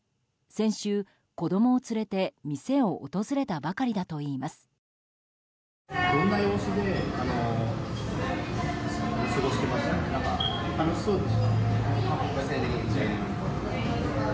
先週、子供を連れて店を訪れたばかりだといいます。